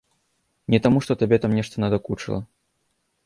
Не таму, што табе там нешта надакучыла.